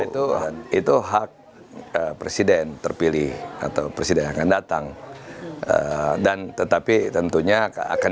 itu itu hak presiden terpilih atau presiden akan datang dan tetapi tentunya akan